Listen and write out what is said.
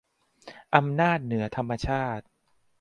อำนาจเหนือธรรมชาติ